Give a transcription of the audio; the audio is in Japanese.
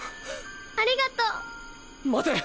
ありがとう。